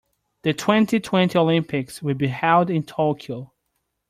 The twenty-twenty Olympics will be held in Tokyo.